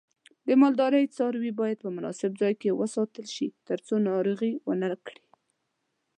د مالدارۍ څاروی باید په مناسب ځای کې وساتل شي ترڅو ناروغي ونه کړي.